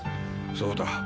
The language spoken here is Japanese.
そうだ。